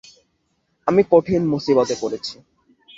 আমরা কঠিন মুসিবতে পড়েছি।